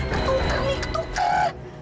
ketuker nih ketuker